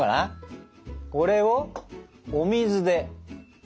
これをお水で。